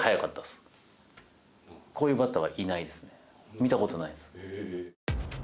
見た事ないです。